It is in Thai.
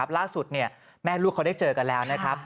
ล่าสุดแม่ลูกเขาได้เจอกันแล้ว